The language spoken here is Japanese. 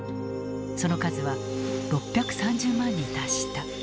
その数は６３０万に達した。